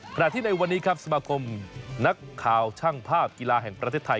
ในวันนี้ครับสมาคมนักข่าวช่างภาพกีฬาแห่งประเทศไทย